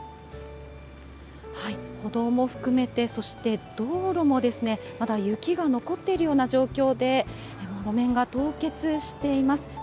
歩道も含めて、そして道路もですね、まだ雪が残っているような状況で、路面が凍結しています。